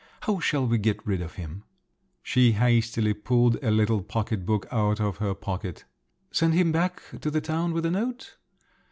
How shall we get rid of him?" She hastily pulled a little pocket book out of her pocket. "Send him back to the town with a note?